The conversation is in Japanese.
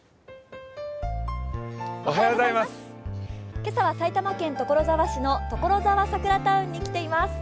今朝は埼玉県所沢市のところざわサクラタウンに来ています。